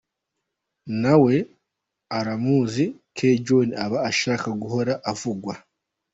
Nawe uramuzi K-John aba ashaka guhora avugwa!”.